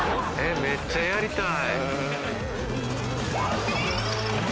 めっちゃやりたい。